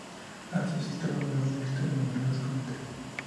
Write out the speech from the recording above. Ha suscitado a lo largo de la historia numerosos comentarios.